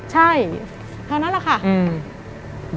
ใช่เท่านั้นแหละค่ะ